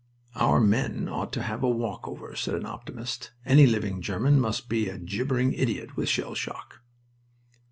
"Our men ought to have a walk over," said an optimist. "Any living German must be a gibbering idiot with shell shock."